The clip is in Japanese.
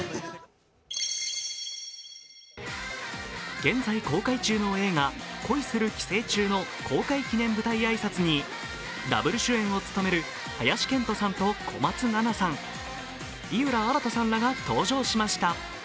現在公開中の映画「恋する寄生虫」の公開記念舞台挨拶に、ダブル主演を務める林遣都さんと小松菜奈さん、井浦新さんらが登場しました。